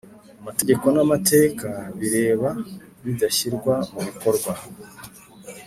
Amategeko n amateka bireba bidashyirwa mu bikorwa